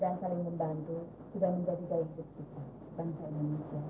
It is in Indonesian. dan saling membantu juga menjadi gaitut kita bangsa indonesia